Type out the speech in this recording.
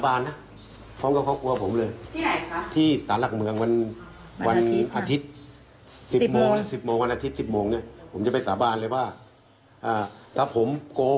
อยากเชิญฝั่งลุงมาสาบานด้วยไหม